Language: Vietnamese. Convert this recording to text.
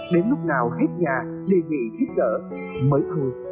để giúp đỡ mọi người